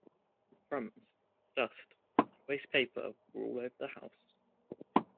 Crumbs, dust, and waste-paper were all over the house.